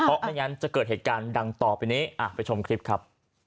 เพราะไม่งั้นจะเกิดเหตุการณ์ดังต่อไปนี้ไปชมคลิปครับ